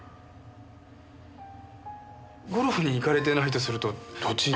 ゴルフに行かれてないとするとどちらへ。